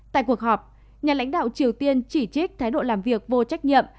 tại cuộc họp nhà lãnh đạo triều tiên chỉ trích thái độ làm việc vô trách nhiệm